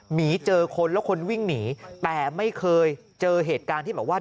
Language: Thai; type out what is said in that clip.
หนีเจอคนแล้วคนวิ่งหนีแต่ไม่เคยเจอเหตุการณ์ที่แบบว่า